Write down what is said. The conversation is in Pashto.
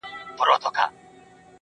هغه هم نسته جدا سوی يمه.